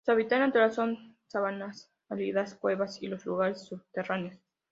Su hábitat natural son: sabanas áridas cuevas, y los lugares subterráneos.